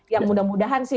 yang mudah mudahan sih